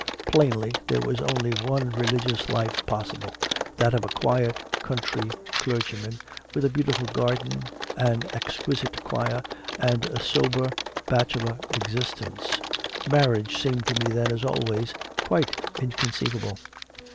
Plainly there was only one religious life possible, that of a quiet country clergyman, with a beautiful garden, an exquisite choir, and a sober bachelor existence. Marriage seemed to me then, as always, quite inconceivable.